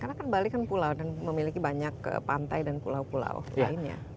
karena kan bali pulau dan memiliki banyak pantai dan pulau pulau lainnya